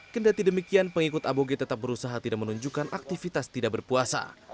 kendati demikian pengikut aboge tetap berusaha tidak menunjukkan aktivitas tidak berpuasa